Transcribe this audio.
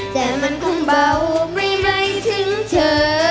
แต่มันคงเบาไม่ไรถึงเธอ